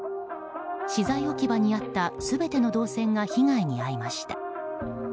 資材置き場にあった全ての銅線が被害に遭いました。